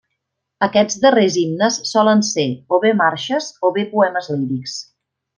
Aquests darrers himnes solen ser, o bé marxes, o bé poemes lírics.